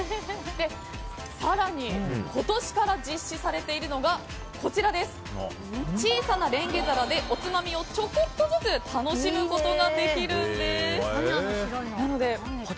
更に今年から実施されているのが小さなレンゲ皿でおつまみをちょこっとずつ楽しむことができるんです。